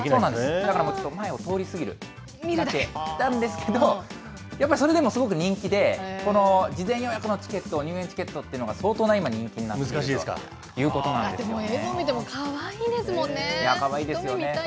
だから前を通り過ぎるだけなんですけど、やっぱりそれでもすごく人気で、この事前予約のチケット、入園チケットというのが、相当な今、人気なんです。ということなんですね。